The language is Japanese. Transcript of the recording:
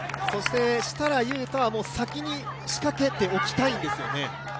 設楽悠太は先に仕掛けておきたいんですよね？